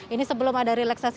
ini sebelum ada relaksasi